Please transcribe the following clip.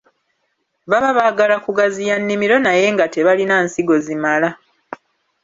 Baba baagala kugaziya nnimiro naye nga tebalina nsigo zimala.